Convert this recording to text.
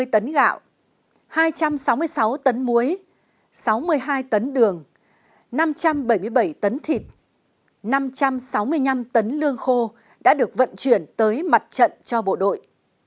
một mươi bốn chín trăm năm mươi tấn gạo hai trăm sáu mươi sáu tấn muối sáu mươi hai tấn đường năm trăm bảy mươi bảy tấn thịt năm trăm sáu mươi năm tấn lương khô đã được vận chuyển tới mặt trận cho bộ đội